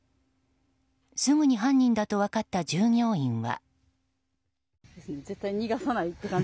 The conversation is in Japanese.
すぐに犯人だと分かった従業員は。